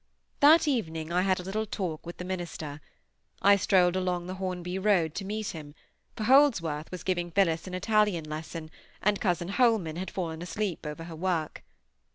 That evening I had a little talk with the minister. I strolled along the Hornby road to meet him; for Holdsworth was giving Phillis an Italian lesson, and cousin Holman had fallen asleep over her work.